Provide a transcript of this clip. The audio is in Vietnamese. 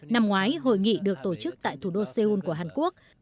năm ngoái hội nghị được tổ chức tại thủ đô seoul của hàn quốc